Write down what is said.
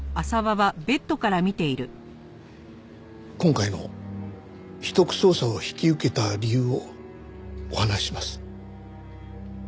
今回の秘匿捜査を引き受けた理由をお話しします。